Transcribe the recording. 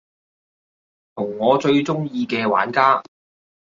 同我最鍾意嘅玩家